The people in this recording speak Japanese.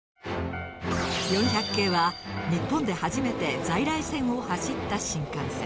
４００系は日本で初めて在来線を走った新幹線。